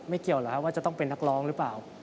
เกี่ยวแล้วว่าจะต้องเป็นนักร้องหรือเปล่า